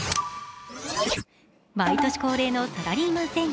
毎年恒例のサラリーマン川柳。